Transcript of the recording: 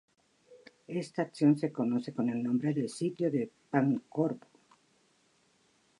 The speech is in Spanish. Esta acción se conoce con el nombre de "Sitio de Pancorbo".